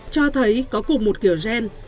cho thấy có cùng một kiểu gen